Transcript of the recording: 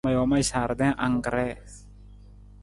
Ma joo ma jardin anggree.